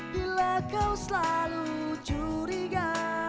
bila kau selalu curiga